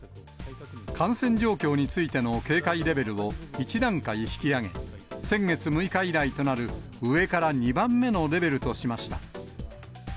感染状況についての警戒レベルを１段階引き上げ、先月６日以来となる上から２番目のレベルとしました。